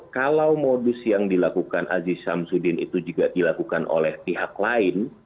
kalau modus yang dilakukan aziz syamsudin itu juga dilakukan oleh pihak lain